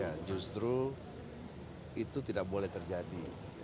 ya justru itu tidak boleh terjadi